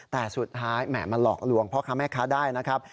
แต่สุดท้ายแหม่มาหลอกลวงพ่อค้าแม่ค้าได้นะครับ